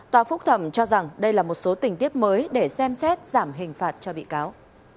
tòa phúc thẩm cho rằng đây là một số tình tiết mới để xem xét giảm hình phạt cho bị cáo